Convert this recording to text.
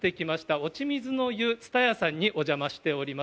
おちみずの湯つたやさんにお邪魔しております。